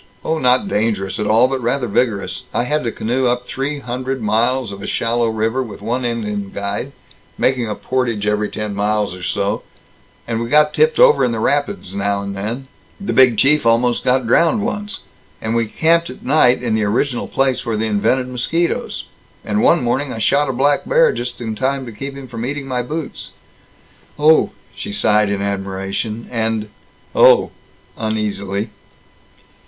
Oh, not dangerous at all, but rather vigorous. I had to canoe up three hundred miles of a shallow river, with one Indian guide, making a portage every ten miles or so, and we got tipped over in the rapids now and then the Big Chief almost got drowned once and we camped at night in the original place where they invented mosquitoes and one morning I shot a black bear just in time to keep him from eating my boots." "Oh!" she sighed in admiration, and "Oh!" again, uneasily.